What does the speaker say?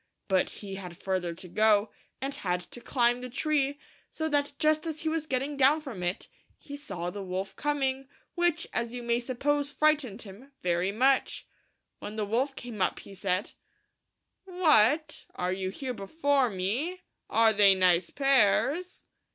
But he had further to go, and had to climb the tree, so that just as he was getting down from it he sav THE THREE LITTLE PIGS. the wolf coming, which, as you may suppose, frightened him very much. When the wolf came up he said, "What ! are you here before me ? are they nice pears?"